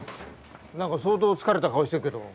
何か相当疲れた顔してるけど。